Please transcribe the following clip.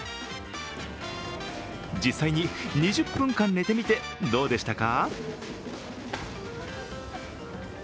実際に２０分間寝てみて、どうでしたか？